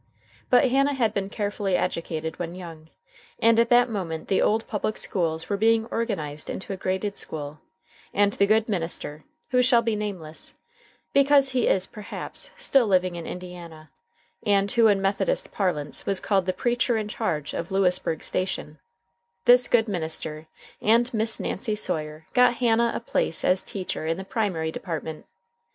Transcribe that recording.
But Hannah had been carefully educated when young, and at that moment the old public schools were being organized into a graded school, and the good minister, who shall be nameless, because he is, perhaps, still living in Indiana, and who in Methodist parlance was called "the preacher in charge of Lewisburg Station" this good minister and Miss Nancy Sawyer got Hannah a place as teacher in the primary department.